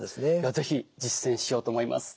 是非実践しようと思います。